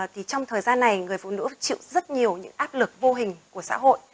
thì trong thời gian này người phụ nữ chịu rất nhiều những áp lực vô hình của xã hội